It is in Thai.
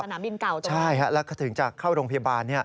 ศาลนามบินเก่าจริงนะครับใช่แล้วก็ถึงจะเข้าโรงพยาบาล